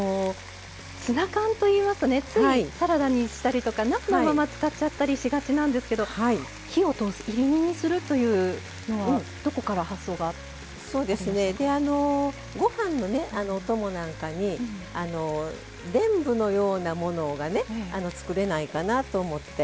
ツナ缶といいますとねついサラダにしたりとか生のまま使っちゃったりしがちなんですけど火を通すいり煮にするというのはどこから発想が？ご飯のねお供なんかにあのでんぶのようなものがね作れないかなと思って。